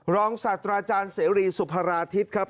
รองสัตว์อาจารย์เสรีสุพราทิศครับ